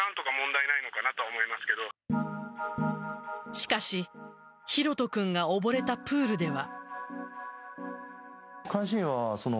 しかし拓杜君が溺れたプールでは。